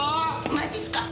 マジっすか？